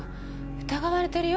疑われてるよ